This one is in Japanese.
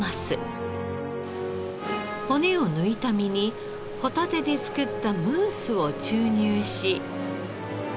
骨を抜いた身にホタテで作ったムースを注入し。